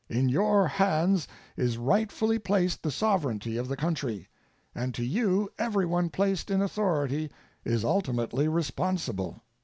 In your hands is rightfully placed the sovereignty of the country, and to you everyone placed in authority is ultimately responsible.